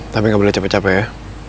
tapi nggak boleh capek capek ya